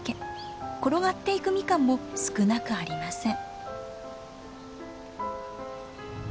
転がっていくミカンも少なくありません。